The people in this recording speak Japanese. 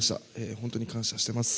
本当に感謝しています。